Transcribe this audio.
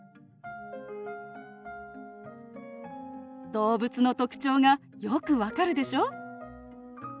動物の特徴がよく分かるでしょ？